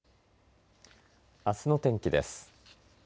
あすの天気です。